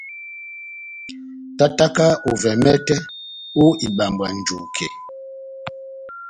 Tátáka ovɛ mɛtɛ ó ibambwa njuke.